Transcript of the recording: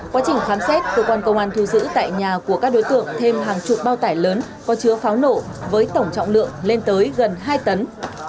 quá trình khám xét cơ quan công an thu giữ tại nhà của các đối tượng thêm hàng chục bao tải lớn có chứa pháo nổ với tổng trọng lượng lên tới gần hai tấn